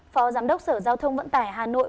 phó giám đốc sở giao thông vận tải hà nội